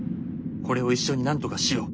これを一緒になんとかしよう！